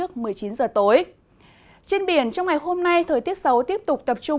trên biển trong ngày hôm nay thời tiết xấu tiếp tục tập trung